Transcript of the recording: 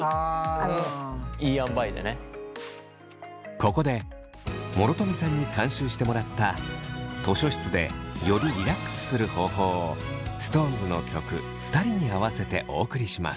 ここで諸富さんに監修してもらった図書室でよりリラックスする方法をＳｉｘＴＯＮＥＳの曲「ふたり」に合わせてお送りします。